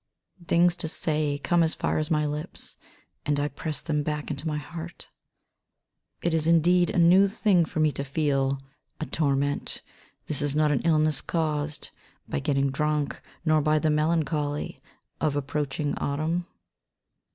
Things to say come as far as my lips, and I press them back into my heart. 16 EYES THAT MOVE NOT ^ It is indeed a new thing for me to feel a torment ; this is not an illness caused by getting drunk, nor by the melancholy of approaching Autumn.